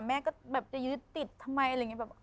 แม่ก็แบบจะยึดติดทำไมอะไรอย่างนี้แบบ